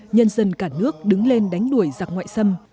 nhân dân cả nước đứng lên đánh đuổi giặc ngoại xâm